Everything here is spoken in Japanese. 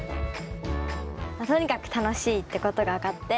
とにかく楽しいってことが分かって